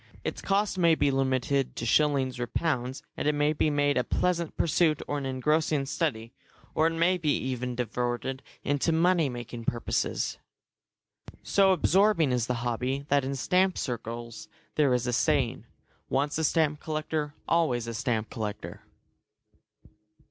Its cost may be limited to shillings or pounds, and it may be made a pleasant pursuit or an engrossing study, or it may even be diverted into money making purposes. So absorbing is the hobby that in stamp circles there is a saying, "Once a stamp collector, always a stamp collector."